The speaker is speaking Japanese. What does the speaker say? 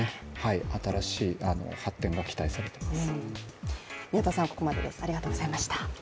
新しい発展が期待されます。